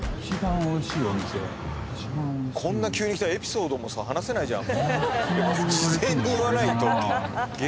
こんな急に来たらエピソードもさ話せないじゃん。